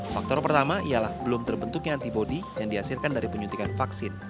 faktor pertama ialah belum terbentuknya antibody yang dihasilkan dari penyuntikan vaksin